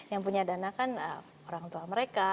yang punya dana kan orang tua mereka